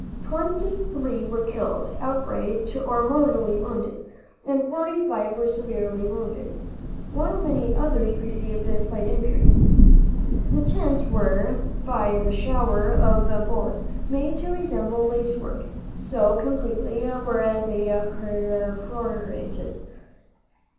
Twenty three were killed outright or mortally wounded, and forty five were severely wounded, while many others received slight injuries. The tents were, by the shower of bullets, made to resemble lace work, so completely were they perforated.